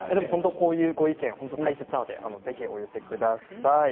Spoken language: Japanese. こういうご意見大切なのでぜひお寄せください。